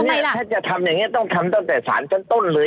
นี่ถ้าจะทำอย่างนี้ต้องทำตั้งแต่สารชั้นต้นเลย